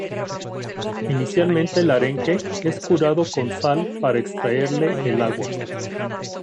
Inicialmente el arenque es curado con sal para extraerle el agua.